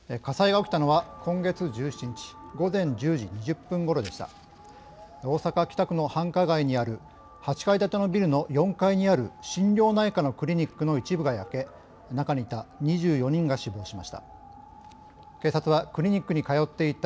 大阪、北区の繁華街にある８階建てのビルの４階にある心療内科のクリニックの一部が焼け中にいた２４人が死亡しました。